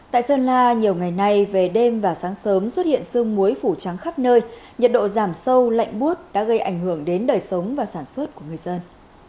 tại sơn la nhiều ngày nay về đêm và sáng sớm xuất hiện sương muối phủ trắng khắp nơi nhiệt độ giảm sâu lạnh bút đã gây ảnh hưởng đến đời sống và sản xuất của người dân